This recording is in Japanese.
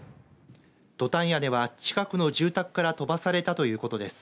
トタン屋根は、近くの住宅から飛ばされたということです。